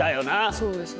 そうですね。